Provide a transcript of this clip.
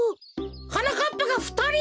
はなかっぱがふたり！？